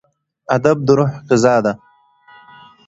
ادب د روح غذا ده.